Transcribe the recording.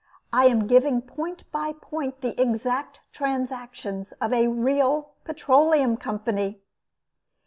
I am giving point by point the exact transactions of a real Petroleum Company.